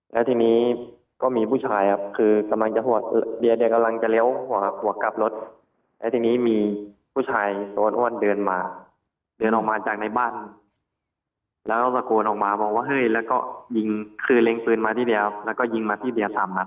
แล้วทีนี้ก็มีผู้ชายครับคือกำลังจะหัวเดียกำลังจะเลี้ยวหัวกลับรถแล้วทีนี้มีผู้ชายตัวอ้วนเดินมาเดินออกมาจากในบ้านแล้วก็ตะโกนออกมาบอกว่าเฮ้ยแล้วก็ยิงคือเล็งปืนมาทีเดียวแล้วก็ยิงมาที่เบียร์สามนัด